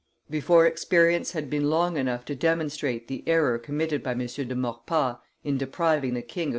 Before experience had been long enough to demonstrate the error committed by M. de Maurepas in depriving the king of M.